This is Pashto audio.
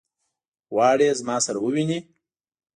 غواړي زما سره وویني.